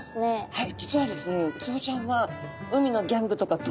はい。